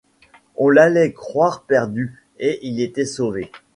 On l’allait croire perdu, et il était sauvé.